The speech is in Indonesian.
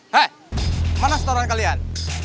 hei mana setoran kalian